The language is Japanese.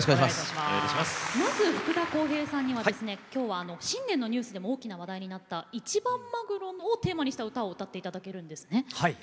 まず、福田こうへいさんにはきょうは新年のニュースでも大きな話題になった「一番マグロ」をテーマにした曲を歌っていただくんですね。